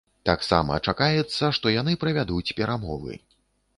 Таксама чакаецца, што яны правядуць перамовы.